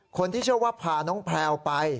คนที่เชื่อว่าพาน้องแพลวไป